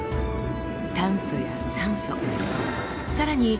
炭素や酸素さらに